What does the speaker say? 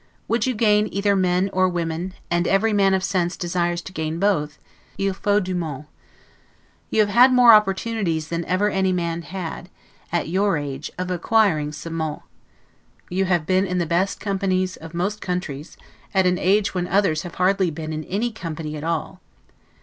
Would you gain either men or women, and every man of sense desires to gain both, 'il faut du monde'. You have had more opportunities than ever any man had, at your age, of acquiring 'ce monde'. You have been in the best companies of most countries, at an age when others have hardly been in any company at all.